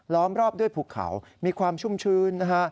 ้อมรอบด้วยภูเขามีความชุ่มชื้นนะฮะ